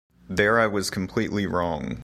There I was completely wrong.